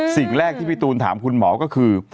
สิ่งแรกที่พี่ตูนถามคุณหมอก็คือ